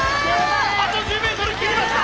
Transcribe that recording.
あと１０メートル切りました！